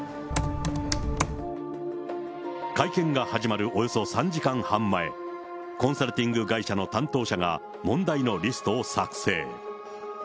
会見が始まるおよそ３時間半前、コンサルティング会社の担当者が、問題のリストを作成。